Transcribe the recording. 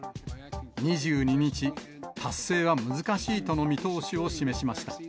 ２２日、達成は難しいとの見通しを示しました。